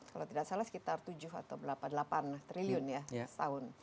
kalau tidak salah sekitar tujuh atau berapa delapan triliun ya setahun